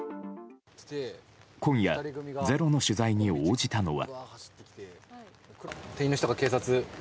今夜「ｚｅｒｏ」の取材に応じたのは。